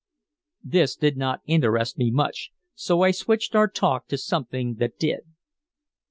This did not interest me much, so I switched our talk to something that did.